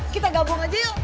kita gabung aja yuk